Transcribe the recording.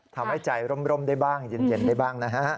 ทำให้ใจร่มได้บ้างเย็นได้บ้างนะฮะ